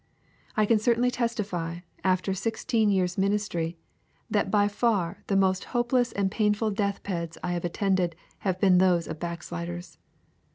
I can certainly testify, after sixten years' ministry, that by for the most hopeless and painful deathbeds I have attended have been those of backsliders.